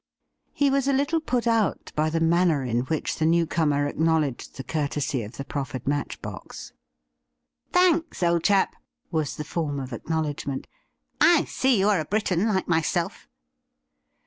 He was a little put out by the manner in which the new comer acknowledged the coiurtesy of the proffered match box. 'Thanks, old chap, was the form of acknowledgment. ' I see you are a Briton, like myself.'